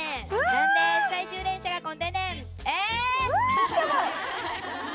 なんで最終電車がこんでんねん。ええ」。